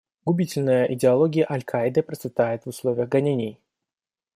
Губительная идеология «Аль-Каиды» процветает в условиях гонений.